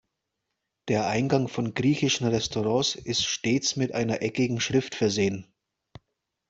Der Eingang von griechischen Restaurants ist stets mit einer eckigen Schrift versehen.